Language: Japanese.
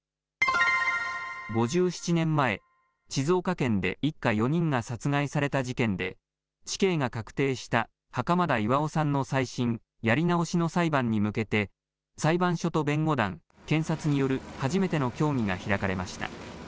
５７年前、静岡県で一家４人が殺害された事件で、死刑が確定した袴田巌さんの再審・やり直しの裁判に向けて、裁判所と弁護団、検察による初めての協議が開かれました。